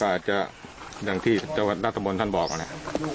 ก็อาจจะอย่างที่เจ้าการมาตรบ้อนท่านบอกเลย